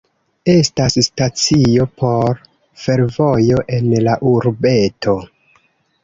Estas stacio por fervojo en la urbeto.